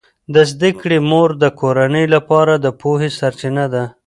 د زده کړې مور د کورنۍ لپاره د پوهې سرچینه ده.